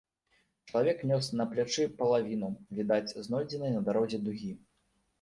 Чалавек нёс на плячы палавіну, відаць, знойдзенай на дарозе дугі.